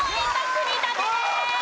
積み立てです。